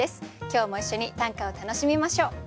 今日も一緒に短歌を楽しみましょう。